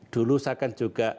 dulu saya akan juga